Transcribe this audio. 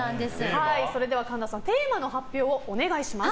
それでは神田さんテーマの発表をお願いします。